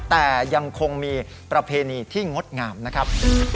แต่ยังคงมีประเพณีที่งดงามนะครับ